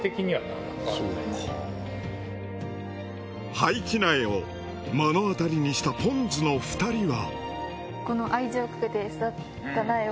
廃棄苗を目の当たりにしたポンズの２人は。